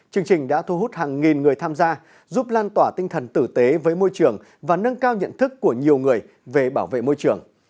chương trình đã thu hút hàng nghìn người tham gia giúp lan tỏa tinh thần tử tế với môi trường và nâng cao nhận thức của nhiều người về bảo vệ môi trường